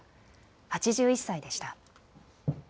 ８１歳でした。